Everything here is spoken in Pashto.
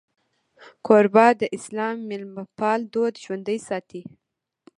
کوربه د اسلام میلمهپال دود ژوندی ساتي.